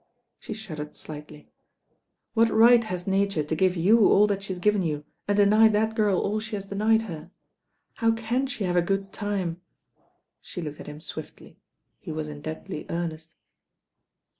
She shuddered slightly. "What right has Nature to give you all that she has given you, and deny that girl all she has denied her. How can she have a good time?" A QUESTION OF ANKLES 187 She looked at him swiftly. He was in deadly earnest.